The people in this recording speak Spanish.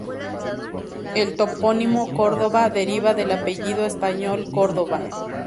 El topónimo Cordova deriva del apellido español Córdova.